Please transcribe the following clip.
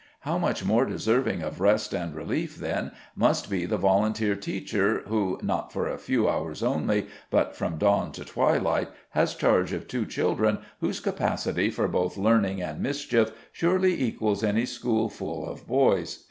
How much more deserving of rest and relief, then, must be the volunteer teacher who, not for a few hours only, but from dawn to twilight, has charge of two children whose capacity for both learning and mischief, surely equals any school full of boys?